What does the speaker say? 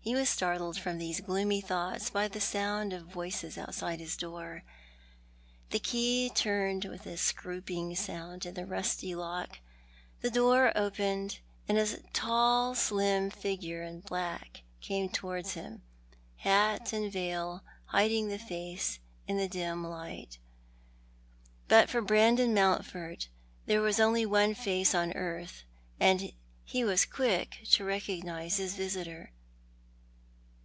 He was startled from these gloomy thoughts by the sound of voices outside his door. The key turned with a scrooping sound in the rusty lock, the door opened, and a tall slim figure in black came towards him, hat and veil hiding the face in the dim light. But for Brandon Mountford there was only one face on earth, and ho was quick to recognise his visitor.